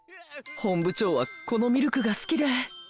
本部長はこのミルクが好きで。